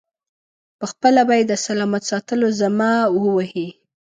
پخپله به یې د سلامت ساتلو ذمه و وهي.